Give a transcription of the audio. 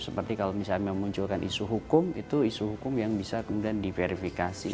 seperti kalau misalnya memunculkan isu hukum itu isu hukum yang bisa kemudian diverifikasi